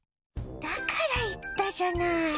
だから言ったじゃない。